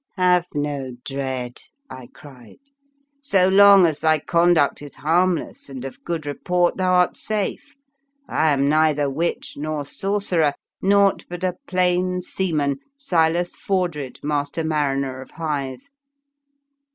" Have no dread," I cried; " so long as thy conduct is harmless and of good report thou art safe. I am neither witch nor sorcerer; naught but a plain seaman, Silas Fordred, master mariner of Hythe."